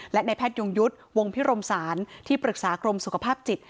และในแพทยงยุทธ์วงพิรมศาลที่ปรึกษากรมสุขภาพจิต